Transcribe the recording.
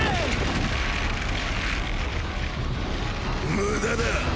無駄だ。